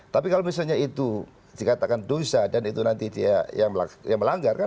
tapi kalau misalnya itu dikatakan dosa dan itu nanti dia yang melanggar kan